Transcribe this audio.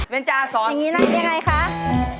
เว้นเจ้าอส้อน